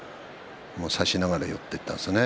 差しながら寄っていったんですね。